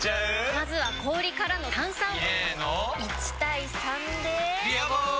まずは氷からの炭酸！入れの１：３で「ビアボール」！